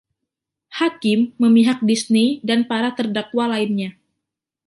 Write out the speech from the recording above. Hakim memihak Disney dan para terdakwa lainnya.